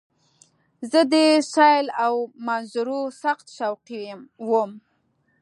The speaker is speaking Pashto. زه د سیل او منظرو سخت شوقی وم.